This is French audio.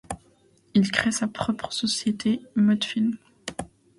Il crée sa propre société, Mod Films.